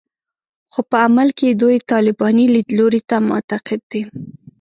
خو په عمل کې دوی طالباني لیدلوري ته معتقد دي